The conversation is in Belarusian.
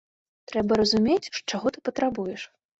Трэба разумець, чаго ты патрабуеш.